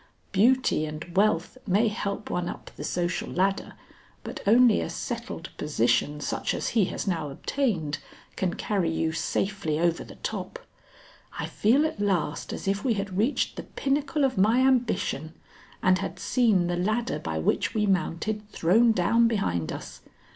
Beauty and wealth may help one up the social ladder, but only a settled position such as he has now obtained, can carry you safely over the top. I feel at last as if we had reached the pinnacle of my ambition and had seen the ladder by which we mounted thrown down behind us.